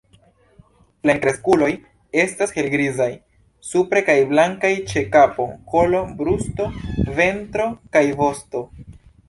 Plenkreskuloj estas helgrizaj supre kaj blankaj ĉe kapo, kolo, brusto, ventro kaj vosto.